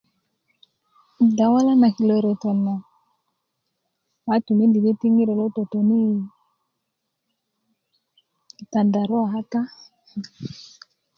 dawala na kilo reto na matu mind di ti ŋiro lo totoni i tandaruwa kata